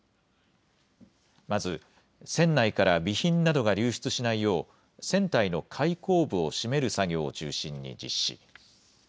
まず船内から備品などが流出しないよう船体の開口部を閉める作業を中心に実施。